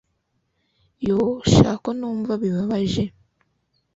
yoo sha ko numva bimbabaje